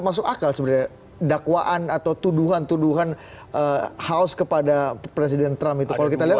masuk akal sebenarnya dakwaan atau tuduhan tuduhan house kepada presiden trump itu kalau kita lihat